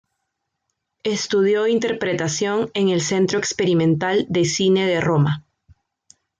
Estudió interpretación en el Centro Experimental de Cine de Roma.